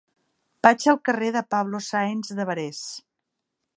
Vaig al carrer de Pablo Sáenz de Barés.